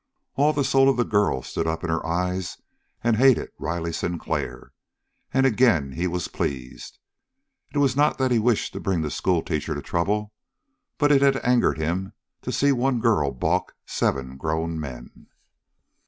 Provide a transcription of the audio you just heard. All the soul of the girl stood up in her eyes and hated Riley Sinclair, and again he was pleased. It was not that he wished to bring the schoolteacher to trouble, but it had angered him to see one girl balk seven grown men.